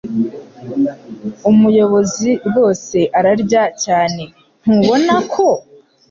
Umuyobozi rwose ararya cyane, ntubona ko?